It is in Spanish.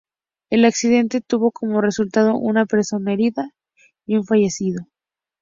El accidente tuvo como resultado una persona herida y un fallecido.